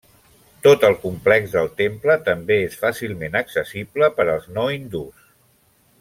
Tot el complex del temple també és fàcilment accessible per als no hindús.